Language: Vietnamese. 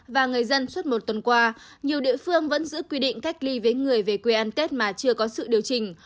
và người dân suốt một tuần qua nhiều địa phương vẫn giữ quy định cách ly với người về quê ăn tết mà chưa có sự điều chỉnh